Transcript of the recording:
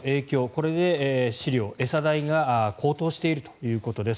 これで飼料、餌代が高騰しているということです。